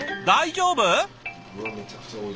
大丈夫？